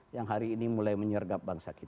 yang hari ini mulai menyergap bangsa kita